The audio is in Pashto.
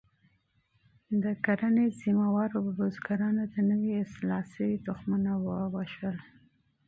د کرنې ریاست بزګرانو ته نوي اصلاح شوي تخمونه ویشلي دي.